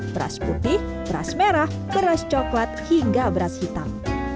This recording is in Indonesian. beras putih beras merah beras coklat hingga beras hitam